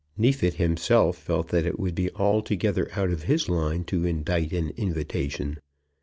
Neefit himself felt that it would be altogether out of his line to indite an invitation.